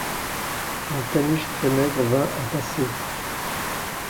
Un caniche très maigre vint à passer.